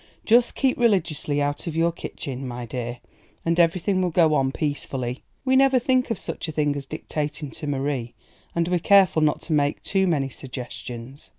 "Just keep religiously out of your kitchen, my dear, and everything will go on peacefully. We never think of such a thing as dictating to Marie, and we're careful not to make too many suggestions.